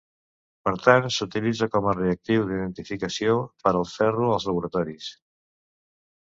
Per tant, s'utilitza com a reactiu d'identificació per al ferro als laboratoris.